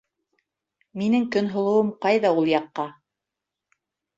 Минең Көнһылыуым ҡайҙа ул яҡҡа.